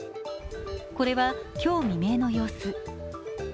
これは今日未明の様子。